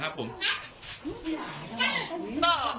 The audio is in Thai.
ก็เวลานั้นตอนที่พี่จำได้